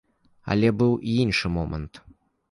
Але быў і іншы момант.